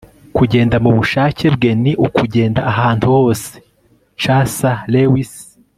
kugenda mubushake bwe ni ukugenda ahantu hose - c s lewis